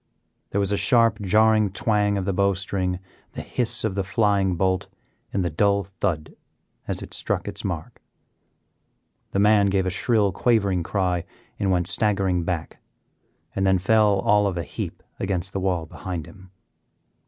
There was a sharp, jarring twang of the bow string, the hiss of the flying bolt, and the dull thud as it struck its mark. The man gave a shrill, quavering cry, and went staggering back, and then fell all of a heap against the wall behind him.